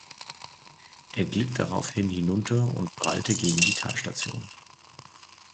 Er glitt daraufhin hinunter und prallte gegen die Talstation.